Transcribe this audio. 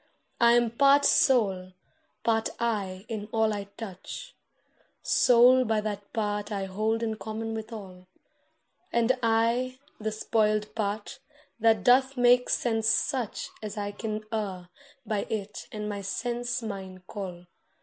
I am part Soul part I in all I touch— Soul by that part I hold in common with all, And I the spoiled part, that doth make sense such As I can err by it and my sense mine call.